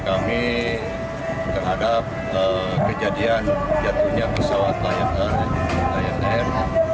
kami terhadap kejadian jatuhnya pesawat layak air